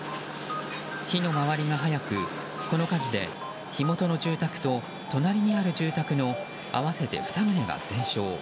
火の回りが早く、この火事で火元の住宅と隣にある住宅の合わせて２棟が全焼。